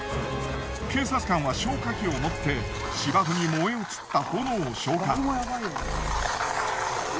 警察官は消火器を持って芝生に燃え移った炎を消火。